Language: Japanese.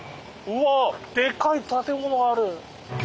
うわでかい建物ある。